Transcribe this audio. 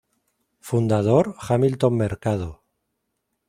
Fundador Hamilton Mercado.